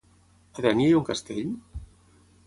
A Dénia hi ha un castell?